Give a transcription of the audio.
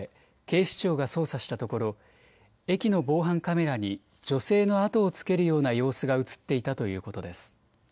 警視庁が捜査したところ、駅の防犯カメラに女性の後をつけるような様子が写っていたということです。